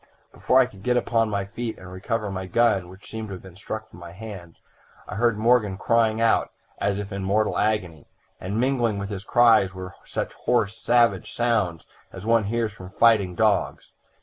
"Before I could get upon my feet and recover my gun, which seemed to have been struck from my hands, I heard Morgan crying out as if in mortal agony, and mingling with his cries were such hoarse savage sounds as one hears from fighting dogs.